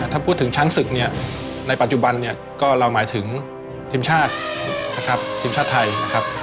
ถ้าพูดถึงช้างศึกเนี่ยในปัจจุบันเนี่ยก็เราหมายถึงทีมชาตินะครับทีมชาติไทยนะครับ